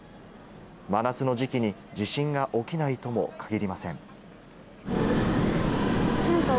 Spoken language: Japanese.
真夏の時期に地震が起きないとも限りません。